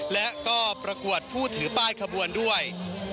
และก็ประกวดผู้ถือป้ายขบวนด้วย